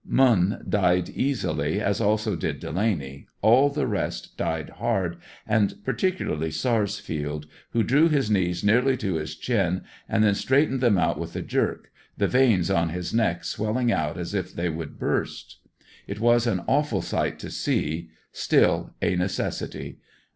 Munn died easily, as also did Delaney, all the rest died hard and particularly tSarstield who drew his knees nearly to his chin and then straightened them out with a jerk, the veins in his neck swelling out as if they would burst. It was an awful sight to see, still a necessity.